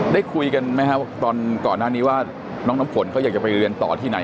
ได้คุยกันไหมครับตอนก่อนหน้านี้ว่าน้องน้ำฝนเขาอยากจะไปเรียนต่อที่ไหน